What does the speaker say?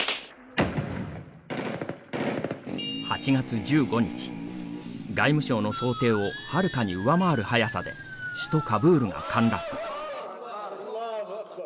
８月１５日、外務省の想定をはるかに上回る早さで首都カブールが陥落。